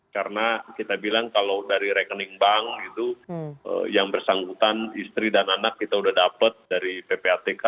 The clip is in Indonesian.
karena kita bilang kalau dari rekening bank gitu yang bersangkutan istri dan anak kita udah dapet dari ppatk